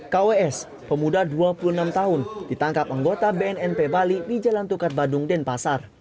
kws pemuda dua puluh enam tahun ditangkap anggota bnnp bali di jalan tukar badung denpasar